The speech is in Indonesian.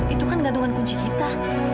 itu kan gantungan kunci kita